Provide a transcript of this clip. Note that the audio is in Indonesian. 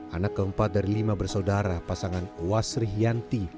anak keempat dari lima bersaudara pasangan wasri yanti